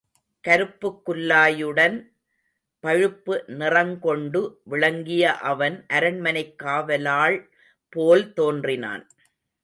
கருப்புக் குல்லாயுடன் பழுப்பு நிறங்கொண்டு விளங்கிய அவன், அரண்மனைக் காவலாள் போல் தோன்றினான்.